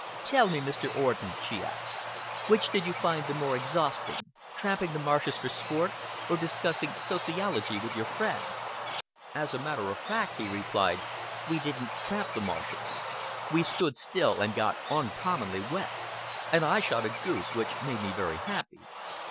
"Tell me, Mr. Orden," she asked, "which did you find the more exhausting tramping the marshes for sport, or discussing sociology with your friend?" "As a matter of fact," he replied, "we didn't tramp the marshes. We stood still and got uncommonly wet. And I shot a goose, which made me very happy."